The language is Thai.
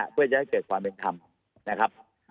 เพื่อยักษ์ความเป็นธรรมนะครับ